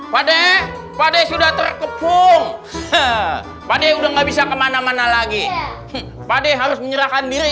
pade pade sudah terkepung pade udah nggak bisa kemana mana lagi pade harus menyerahkan diri